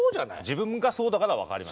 自分がそうだから分かります。